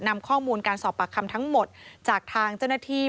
นำข้อมูลการสอบปากคำทั้งหมดจากทางเจ้าหน้าที่